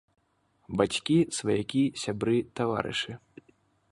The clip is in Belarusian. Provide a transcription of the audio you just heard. Бацькі, сваякі, сябры, таварышы.